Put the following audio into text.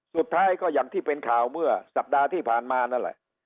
สุดท้ายก็อย่างที่เป็นข่าวเมื่อสัปดาห์ที่ผ่านมานั่นแหละ